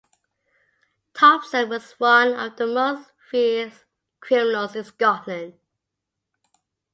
Thompson was one of the most feared criminals in Scotland.